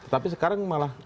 tapi sekarang malah